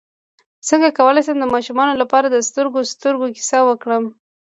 څنګه کولی شم د ماشومانو لپاره د سترګو سترګو کیسه وکړم